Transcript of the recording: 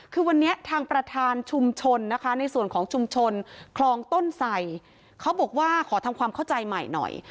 คือวันนี้ทางประธานชุมชนนะคะในส่วนของชุมชนคลองต้นไสเขาบอกว่าขอทำความเข้าใจใหม่หน่อย